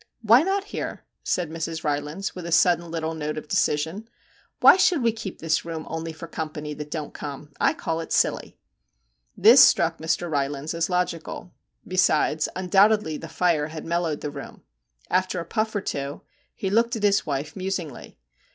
'Why not here?' said Mrs. Rylands, with a sudden little note of decision. 'Why should we keep this room only for company that don't come ? I call it silly.' This struck Mr. Rylands as logical. Besides, undoubtedly the fire had mellowed the room. After a puff or two he looked at his wife musingly.